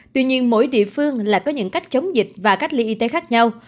tuy nhiên mỗi địa phương lại có những cách chống dịch và cách ly y tế khác nhau